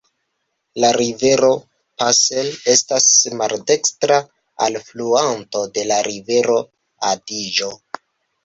La rivero Passer estas maldekstra alfluanto de la rivero Adiĝo.